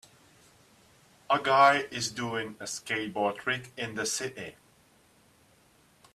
A guy is doing a skateboard trick in the city.